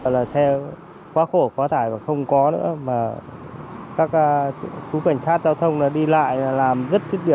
xe quá khổ quá tải và không có nữa mà các khu cảnh sát giao thông đi lại làm rất thiết kiệm